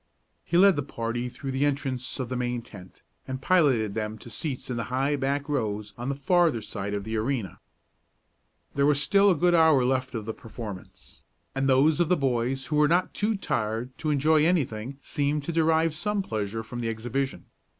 He led the party through the entrance of the main tent, and piloted them to seats in the high back rows on the farther side of the arena. There was still a good hour left of the performance, and those of the boys who were not too tired to enjoy anything seemed to derive some pleasure from the exhibition.